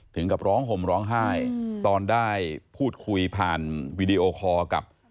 ถึงกับร้องห่มร้องไห้ตอนได้พูดคุยผ่านวีดีโอคอร์กับ